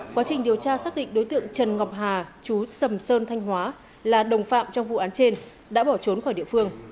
quá trình điều tra xác định đối tượng trần ngọc hà chú sầm sơn thanh hóa là đồng phạm trong vụ án trên đã bỏ trốn khỏi địa phương